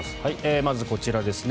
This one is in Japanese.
まずこちらですね。